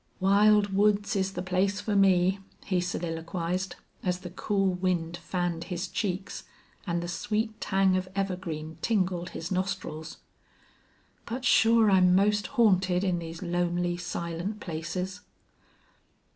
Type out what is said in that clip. "Wild woods is the place for me," he soliloquized, as the cool wind fanned his cheeks and the sweet tang of evergreen tingled his nostrils. "But sure I'm most haunted in these lonely, silent places."